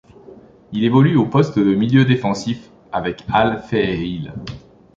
Il évolue au poste de milieu défensif avec Al Fehayheel.